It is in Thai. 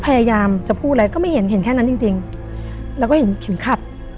พยายามจะพูดอะไรก็ไม่เห็นแค่นั้นจริงแล้วก็เห็นขับ